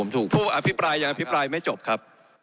ที่ผมถูกผู้อภิปลายอย่างอภิปลายไม่จบครับ